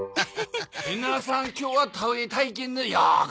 皆さん今日は田植え体験にようこそ。